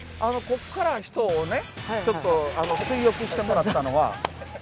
ここから人をねちょっと水浴してもらったのは。